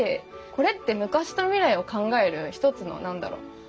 これって昔と未来を考える一つの何だろう交差点というか。